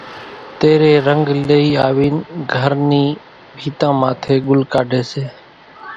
تيرين رنگ لئي آوين گھر نِي ڀينتان ماٿي ڳُل ڪاڍي سي